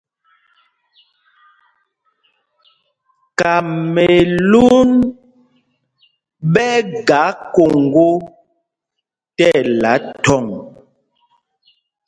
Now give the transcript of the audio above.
Kamɛlûn ɓɛ́ ɛ́ ga Koŋgō tí ɛla thɔ̂ŋ.